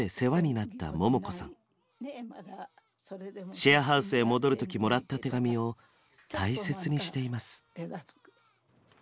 シェアハウスへ戻る時もらった手紙を大切にしています。